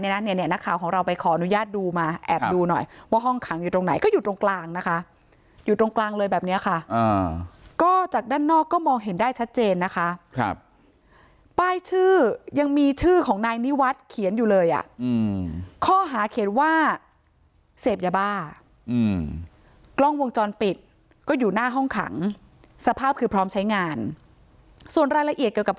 นั้นเนี่ยนักข่าวของเราไปขออนุญาตดูมาแอบดูหน่อยว่าห้องขังอยู่ตรงไหนก็อยู่ตรงกลางนะคะอยู่ตรงกลางเลยแบบเนี้ยค่ะก็จากด้านนอกก็มองเห็นได้ชัดเจนนะคะครับป้ายชื่อยังมีชื่อของนายนิวัฒน์เขียนอยู่เลยอ่ะข้อหาเขียนว่าเสพยาบ้ากล้องวงจรปิดก็อยู่หน้าห้องขังสภาพคือพร้อมใช้งานส่วนรายละเอียดเกี่ยวกับ